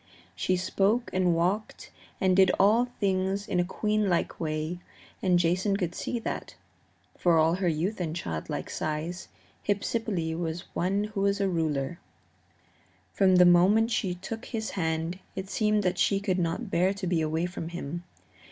She spoke and walked and did all things in a queenlike way, and Jason could see that, for all her youth and childlike size, Hypsipyle was one who was a ruler. From the moment she took his hand it seemed that she could not bear to be away from him.